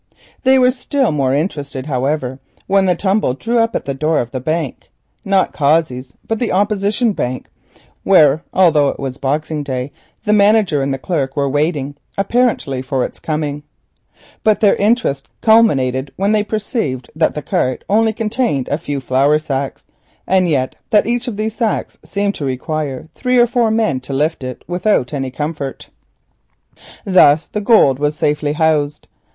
They were still more interested, however, when the tumbrel drew up at the door of the bank—not Cossey's, but the opposition bank—where, although it was Boxing Day, the manager and the clerk were apparently waiting for its arrival. But their interest culminated when they perceived that the cart only contained a few bags, and yet that each of these bags seemed to require three or four men to lift it with any comfort. Thus was the gold safely housed.